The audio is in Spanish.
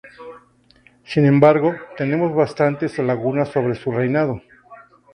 Sin embargo, tenemos bastantes lagunas sobre su reinado.